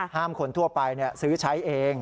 คนทั่วไปซื้อใช้เอง